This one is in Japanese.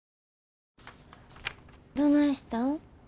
どないしたん？